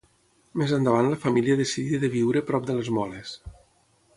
Més endavant la família decidí de viure prop de les moles.